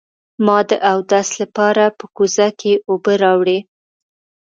ما د اودس لپاره په کوزه کې اوبه راوړې.